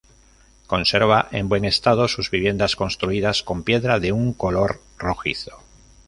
Conserva en buen estado sus viviendas construidas con piedra de un color rojizo.